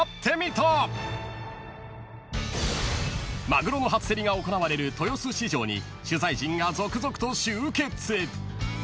［マグロの初競りが行われる豊洲市場に取材陣が続々と集結］